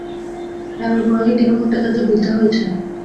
গ্রামের পুরোহিত দীনু ভট্টাচার্য বৃদ্ধ হইয়াছে।